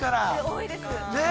◆多いです。